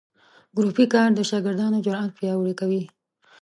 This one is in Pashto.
ګروپي کار د شاګردانو جرات پیاوړي کوي.